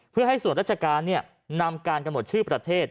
เพื่อให้ส่วนราชการนำการกำหนดชื่อประเทศ